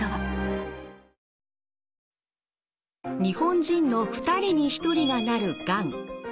日本人の２人に１人がなるがん。